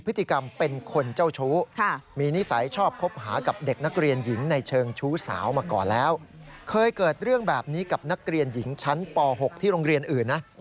พฤติกรรมเป็นคนเจ้าชู้